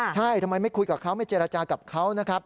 ใช่ทำไมไม่คุยกับเขาไม่เจรจากับเขานะครับ